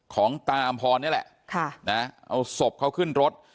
ของตาอำพรนี่แหละเอาศพเขาขึ้นรถ